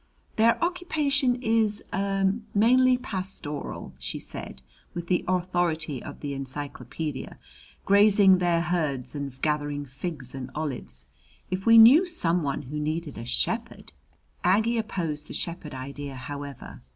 "Their occupation is er mainly pastoral," she said, with the authority of the encyclopædia. "Grazing their herds and gathering figs and olives. If we knew some one who needed a shepherd " Aggie opposed the shepherd idea, however.